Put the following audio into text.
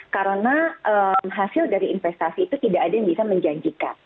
karena hasil dari investasi itu tidak ada yang bisa menjanjikan